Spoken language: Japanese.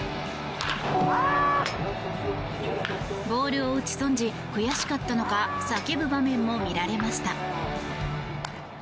ボールを打ち損じ悔しかったのか叫ぶ場面も見られました。